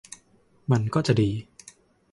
มันก็จะดี